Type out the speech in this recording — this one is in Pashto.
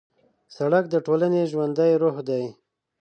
سړک د ټولنې ژوندی روح دی.